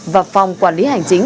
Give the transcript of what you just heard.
và phòng quản lý hành chính